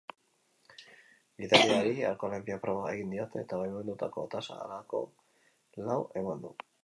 Gidariari alkoholemia proba egin diote, eta baimendutako tasa halako lau eman du.